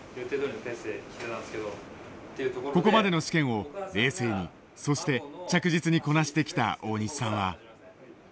ここまでの試験を冷静にそして着実にこなしてきた大西さんは。